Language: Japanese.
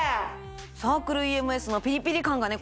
サークルＥＭＳのピリピリ感がね